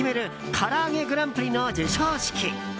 からあげグランプリの授賞式。